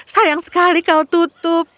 sayang sekali kau tutup